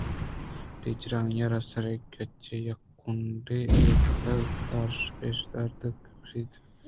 ٹیچر آئی ءَرا ہءِ سرے کچُءَ یک کُنڈے ءَ ایرکُتگیں دار پیش داشت اَنت ءُ گوٛشت کہاے سوچگی داراَنت ءُدگہ رندے اسٹورءِ نیمگ ءَ چک مہ جن اِت